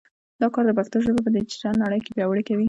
دا کار د پښتو ژبه په ډیجیټل نړۍ کې پیاوړې کوي.